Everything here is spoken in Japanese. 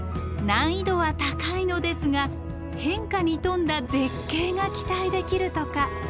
難易度は高いのですが変化に富んだ絶景が期待できるとか。